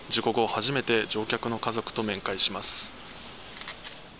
初めて乗客の家族と面会します。